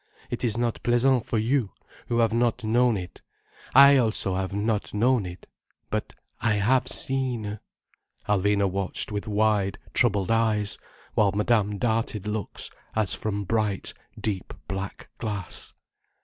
It is not pleasant for you, who have not known it. I also have not known it. But I have seen—" Alvina watched with wide, troubled eyes, while Madame darted looks, as from bright, deep black glass.